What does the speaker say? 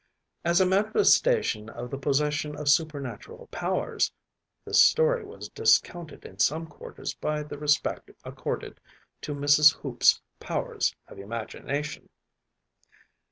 As a manifestation of the possession of supernatural powers, the story was discounted in some quarters by the respect accorded to Mrs. Hoops’ powers of imagination.